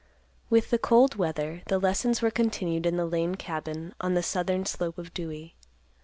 With the cold weather, the lessons were continued in the Lane cabin on the southern slope of Dewey.